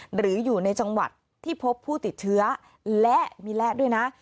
หรืออยู่ในจังหวัดที่พบผู้ติดเชื้อและมีและด้วยนะ